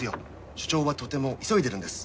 署長はとても急いでるんです。